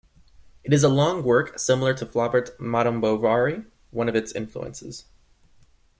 It is a long work, similar to Flaubert's "Madame Bovary", one of its influences.